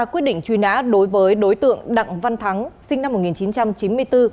quyết định truy nã đối với đối tượng đặng văn thắng sinh năm một nghìn chín trăm chín mươi bốn